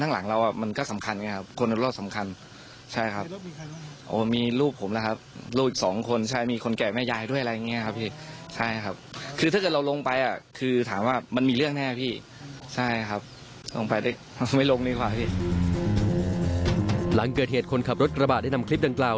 หลังเกิดเหตุคนขับรถกระบะได้นำคลิปดังกล่าว